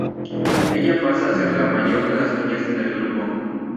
Ella pasa a ser la mayor de las niñas en el grupo.